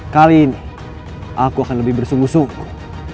kali ini aku akan lebih bersungguh sungguh